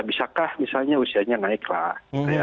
bisakah misalnya usianya naik lah